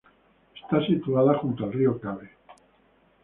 Está situada junto al río Cabe.